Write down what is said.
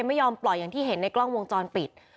ไม่ยอมปล่อยอย่างที่เห็นในกล้องวงจรปิด